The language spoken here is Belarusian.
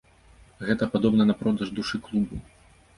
Гэта падобна на продаж душы клубу.